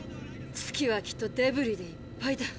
月はきっとデブリでいっぱいだ。